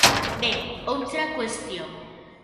Ben, outra cuestión.